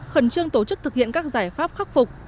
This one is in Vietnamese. khẩn trương tổ chức thực hiện các giải pháp khắc phục